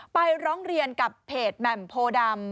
ร้องเรียนกับเพจแหม่มโพดำ